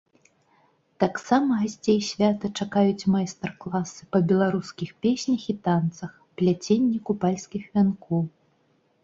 Таксама гасцей свята чакаюць майстар-класы па беларускіх песнях і танцах, пляценні купальскіх вянкоў.